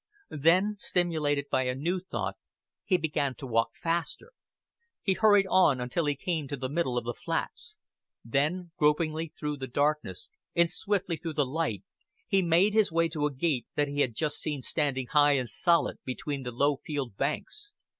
Then, stimulated by a new thought, he began to walk faster. He hurried on until he came to the middle of the flats; then, gropingly through the darkness, and swiftly through the light, he made his way to a gate that he had just seen standing high and solid between the low field banks.